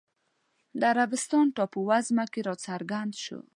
د عربستان ټاپووزمه کې راڅرګند شو